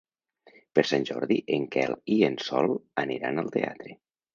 Per Sant Jordi en Quel i en Sol aniran al teatre.